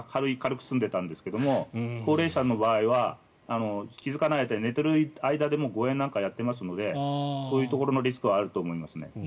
軽く済んでいたんですが高齢者は気付かないうちに寝ている間でも誤嚥なんかやっていますのでそういうリスクはあると思います。